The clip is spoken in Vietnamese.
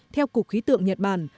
theo cục khí tượng nhật bản